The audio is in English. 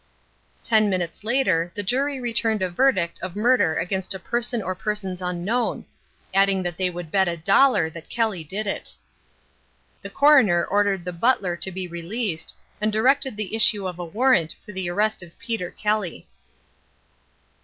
Ten minutes later the jury returned a verdict of murder against a person or persons unknown, adding that they would bet a dollar that Kelly did it. The coroner ordered the butler to be released, and directed the issue of a warrant for the arrest of Peter Kelly.